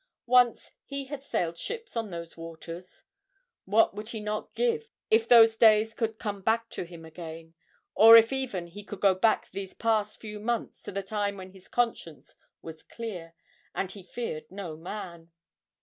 Once he had sailed ships on those waters; what would he not give if those days could come back to him again, or if even he could go back these past few months to the time when his conscience was clear and he feared no man!